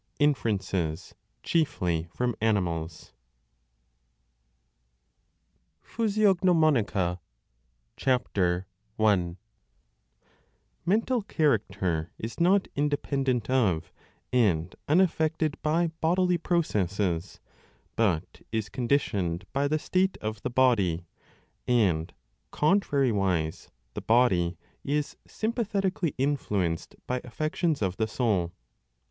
Inferences, chiefly from animals. PHYSIOGNOMONICA I MENTAL character is not independent of and unaffected 805* by bodily processes, but is conditioned by the state of the body ; and contrariwise the body is sympathetically influenced by affections of the soul.